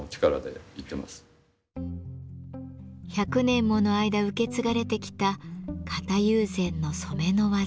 １００年もの間受け継がれてきた型友禅の染めの技。